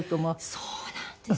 そうなんです。